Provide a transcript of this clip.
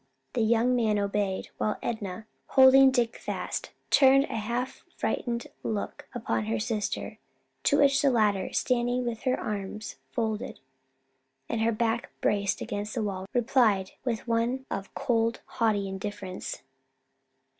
The young man obeyed, while Enna, holding Dick fast, turned a half frightened look upon her sister; to which the latter, standing with her arms folded and her back braced against the wall, replied with one of cold, haughty indifference.